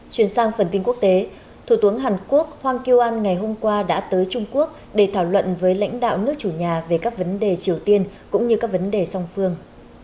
chuyển sang phần tin quốc tế thủ tướng hàn quốc hoang kuan ngày hôm qua đã tới trung quốc để thảo luận với lãnh đạo nước chủ nhà về các vấn đề triều tiên cũng như các vấn đề song phương